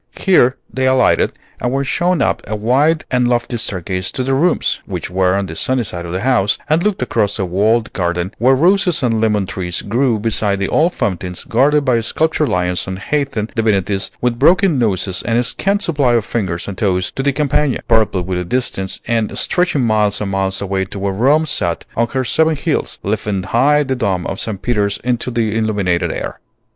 Here they alighted, and were shown up a wide and lofty staircase to their rooms, which were on the sunny side of the house, and looked across a walled garden, where roses and lemon trees grew beside old fountains guarded by sculptured lions and heathen divinities with broken noses and a scant supply of fingers and toes, to the Campagna, purple with distance and stretching miles and miles away to where Rome sat on her seven hills, lifting high the Dome of St. Peter's into the illumined air.